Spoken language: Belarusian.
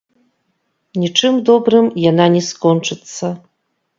Нічым добрым яна не скончыцца.